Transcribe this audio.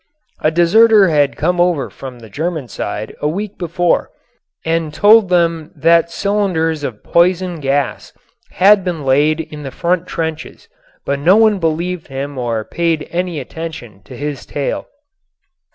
A deserter had come over from the German side a week before and told them that cylinders of poison gas had been laid in the front trenches, but no one believed him or paid any attention to his tale.